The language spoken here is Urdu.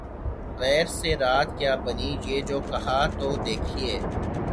’’ غیر سے رات کیا بنی ‘‘ یہ جو کہا‘ تو دیکھیے